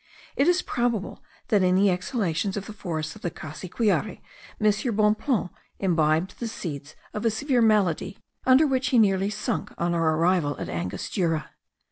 It is probable, that in the exhalations of the forests of the Cassiquiare M. Bonpland imbibed the seeds of a severe malady, under which he nearly sunk on our arrival at Angostura.